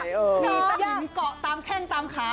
มีสนิมเกาะตามแข้งตามขาว